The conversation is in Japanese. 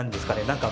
何か。